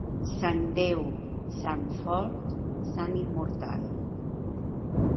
Sant Déu, sant Fort, sant Immortal.